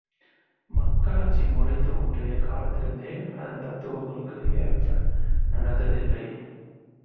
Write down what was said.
மக்களாட்சி முறை தோன்றிய காலத்திலிருந்தே அதன் தத்துவங்களுக்கு ஏற்ப நடந்ததில்லை.